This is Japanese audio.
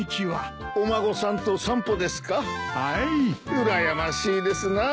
うらやましいですな。